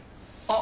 あ！